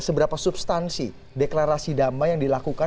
seberapa substansi deklarasi damai yang dilakukan